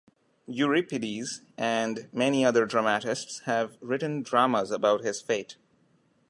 Euripides and many other dramatists have written dramas about his fate.